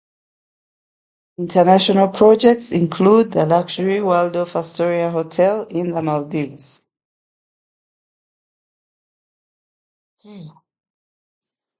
International projects include the luxury Waldorf Astoria hotel in the Maldives.